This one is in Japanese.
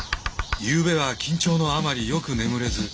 ゆうべは緊張のあまりよく眠れず。